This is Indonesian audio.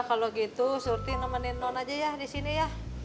kalau gitu surti nemenin non aja ya di sini ya